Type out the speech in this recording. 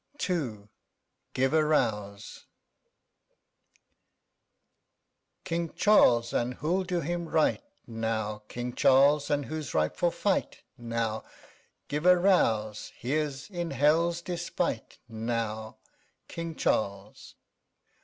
_ II GIVE A ROUSE King Charles, and who'll do him right now? King Charles, and who's ripe for fight now? Give a rouse; here's, in hell's despite now, King Charles!